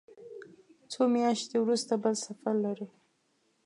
څو میاشتې وروسته بل سفر لرو.